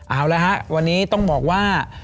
เอาละฮะวันนี้ต้องบอกว่า